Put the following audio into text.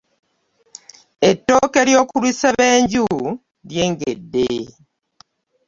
Ettooke ly'okulusebenju ly'engedde.